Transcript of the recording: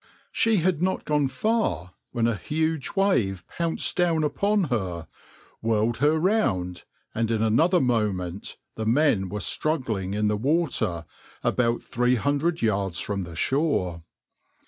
She had not gone far when a huge wave pounced down upon her, whirled her round, and in another moment the men were struggling in the water, about three hundred yards from the shore.